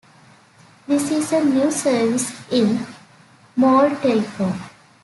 This is a new service in Moldtelecom.